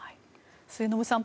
末延さん